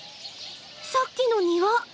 さっきの庭！